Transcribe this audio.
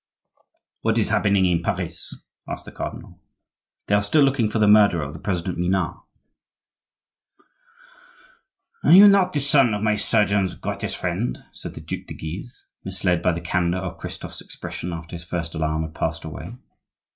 "What is happening in Paris?" asked the cardinal. "They are still looking for the murderer of the President Minard." "Are you not the son of my surgeon's greatest friend?" said the Duc de Guise, misled by the candor of Christophe's expression after his first alarm had passed away.